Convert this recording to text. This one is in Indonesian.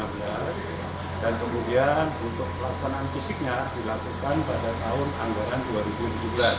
dan kemudian untuk pelaksanaan fisiknya dilakukan pada tahun anggaran dua ribu tujuh belas